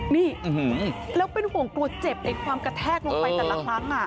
นี่แล้วเป็นห่วงกลัวเจ็บในความกระแทกลงไปกันหลัง